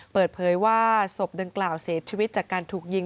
เปิดเผยว่าศพดังกล่าวเสียชีวิตจากการถูกยิง